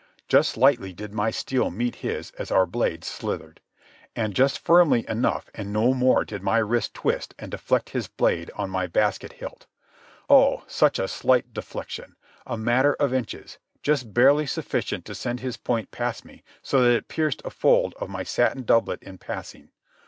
Just lightly did my steel meet his as our blades slithered. And just firmly enough and no more did my wrist twist and deflect his blade on my basket hilt. Oh, such a slight deflection, a matter of inches, just barely sufficient to send his point past me so that it pierced a fold of my satin doublet in passing.